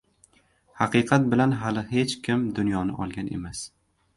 • Haqiqat bilan hali hech kim dunyoni olgan emas.